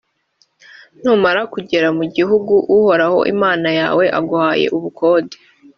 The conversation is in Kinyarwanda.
numara kugera mu gihugu uhoraho imana yawe aguhayeho ubukonde,